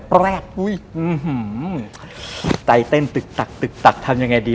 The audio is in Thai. แรกอุ้ยใจเต้นตึกตักตึกตักทำยังไงดี